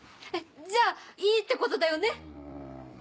じゃあいいってことだよね？